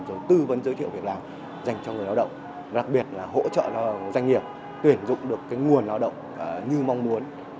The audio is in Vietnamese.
rồi tư vấn giới thiệu việc làm dành cho người lao động đặc biệt là hỗ trợ cho doanh nghiệp tuyển dụng được nguồn lao động như mong muốn